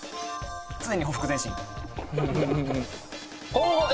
常にほふく前進。